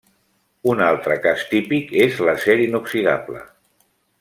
Un altre cas típic és l'acer inoxidable.